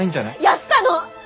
やったの！